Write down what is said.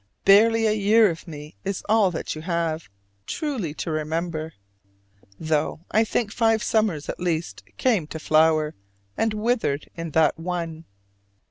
Barely a year of me is all that you have, truly, to remember: though I think five summers at least came to flower, and withered in that one.